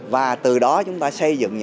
và từ đó chúng ta xây dựng những cái